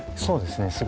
そうですね。